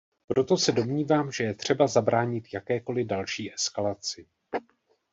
Proto se domnívám, že je třeba zabránit jakékoli další eskalaci.